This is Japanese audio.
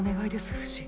フシ！